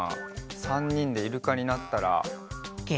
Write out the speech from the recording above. ３にんでイルカになったら。